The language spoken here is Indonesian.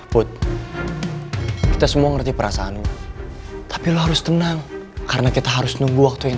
food kita semua ngerti perasaanmu tapi lo harus tenang karena kita harus nunggu waktu yang